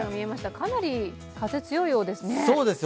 かなり風が強いようですね。